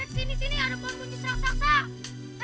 hei sini sini ada pohon kunci seraksasa